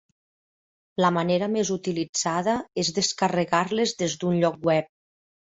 La manera més utilitzada és descarregar-les des d'un lloc web.